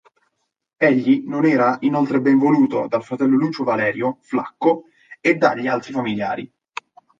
Egli non era inoltre benvoluto dal fratello Lucio Valerio Flacco e dagli altri familiari.